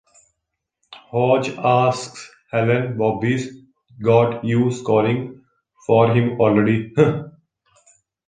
Hotch asks Helen Bobby's got you scoring for him already huh?